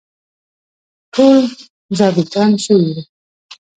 ټول ظابیطان شوي وو.